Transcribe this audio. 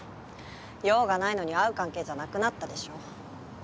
用がないのに会う関係じゃなくなったでしょ。